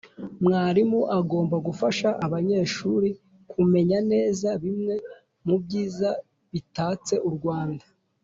Mwarimu agomba gufasha abanyeshuri kumenya neza bimwe mu byiza bitatse u Rwanda